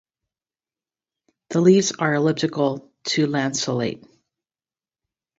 The leaves are elliptical to lanceolate.